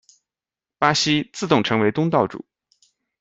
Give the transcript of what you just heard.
巴西自动成为东道主。